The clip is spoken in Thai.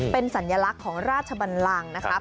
เป็นสัญลักษณ์ของราชบันลังนะครับ